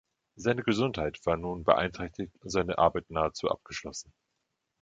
Seine Gesundheit war nun beeinträchtigt und seine Arbeit nahezu abgeschlossen.